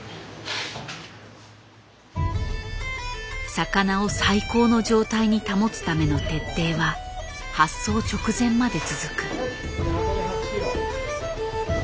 魚を最高の状態に保つための徹底は発送直前まで続く。